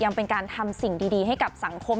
เป็นการทำสิ่งดีให้กับสังคม